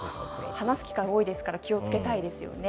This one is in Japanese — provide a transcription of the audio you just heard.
話す機会が多いですから気を付けたいですね。